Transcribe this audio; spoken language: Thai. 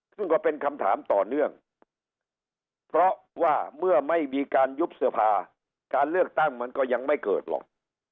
ซึ่งก็เป็นคำถามต่อเนื่องเพราะว่าเมื่อไม่มีการยุบสภาการเลือกตั้งมันก็ยังไม่เกิดหรอก